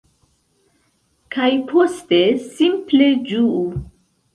Kaj poste simple ĝuu!